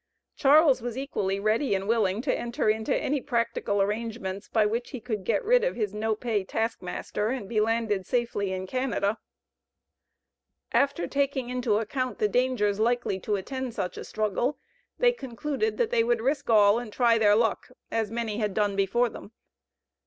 Charles was equally ready and willing to enter into any practical arrangements by which he could get rid of his no pay task master, and be landed safely in Canada. After taking into account the dangers likely to attend such a struggle, they concluded that they would risk all and try their luck, as many had done before them.